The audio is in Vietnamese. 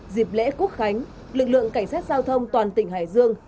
dịp lễ quốc khánh lực lượng cảnh sát giao thông toàn tỉnh hải dương